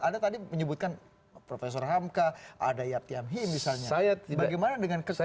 anda tadi menyebutkan prof hamka ada yabti hamhi misalnya bagaimana dengan kekuasaan